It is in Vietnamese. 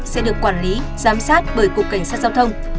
sẽ được quản lý giám sát bởi cục cảnh sát giao thông